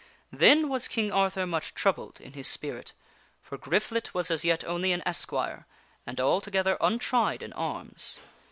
Then was King Arthur much troubled in his spirit, for Griflet was as yet only an esquire and altogether untried in arms.